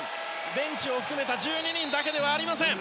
ベンチを含めた１２人だけではありません。